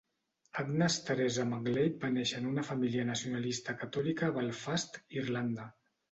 Agnes Teresa McGlade va néixer en una família nacionalista catòlica a Belfast, Irlanda.